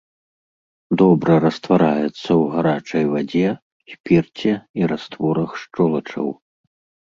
Добра раствараецца ў гарачай вадзе, спірце і растворах шчолачаў.